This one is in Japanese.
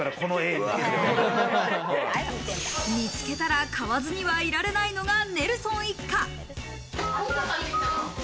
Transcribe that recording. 見つけたら買わずにはいられないのがネルソン一家。